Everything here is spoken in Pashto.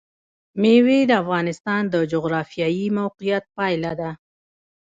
مېوې د افغانستان د جغرافیایي موقیعت پایله ده.